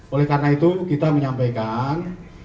oleh karena itu kita menyampaikan